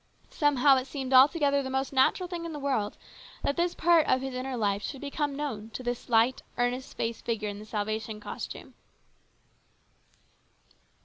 Somehow it seemed altogether the most natural thing in the world that this part of his inner life should become known to this slight, earnest faced figure in the Salvation costume.